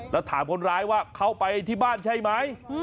แล้วถามคนร้ายว่าเขาไปที่บ้านใช่ไหม